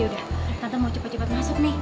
udah tante mau cepat cepat masuk nih